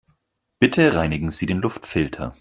Bitte reinigen Sie den Luftfilter.